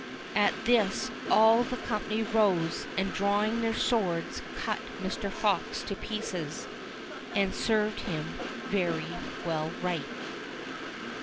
At this all the company rose, and drawing their swords cut Mr. Fox to pieces. And served him very well right.